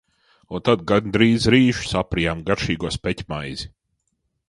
Un tad gandrīz rīšus aprijām garšīgo speķmaizi.